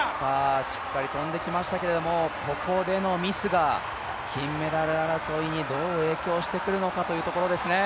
しっかり跳んできましたけれどもここでのミスが金メダル争いにどう影響してくるのかというところですね。